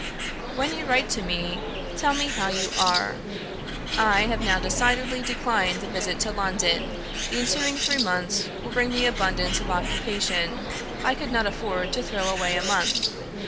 "When you write to me, tell me how you are. ... I have now decidedly declined the visit to London; the ensuing three months will bring me abundance of occupation; I could not afford to throw away a month.